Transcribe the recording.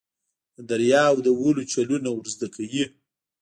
د دریاوو د وهلو چلونه ور زده کوي.